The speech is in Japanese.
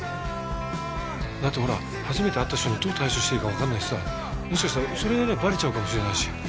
だってほら初めて会った人にどう対処していいかわからないしさもしかしたらそれでねバレちゃうかもしれないし。